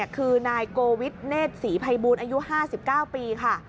คือนายโกวิทเนธศรีภัยบูลอายุ๕๙ปีค่ะ